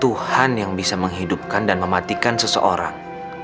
tuhan yang bisa menghidupkan dan mematikan seseorang